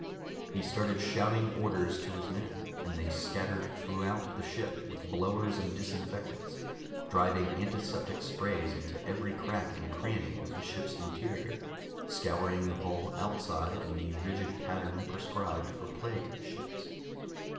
He started shouting orders to his men, and they scattered throughout the ship, with blowers and disinfectants, driving antiseptic sprays into every crack and cranny of the ship's interior, scouring the hull outside in the rigid pattern prescribed for plague ships.